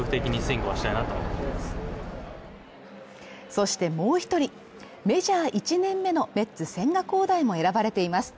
そしてもう１人、メジャー１年目のメッツ・千賀滉大も選ばれています。